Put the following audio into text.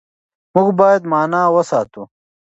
موږ بايد مانا وساتو.